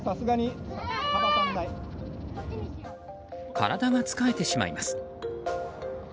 体がつかえてしまいます。